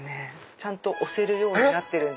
ちゃんと押せるようになってる。